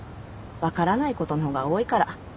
分からないことの方が多いから。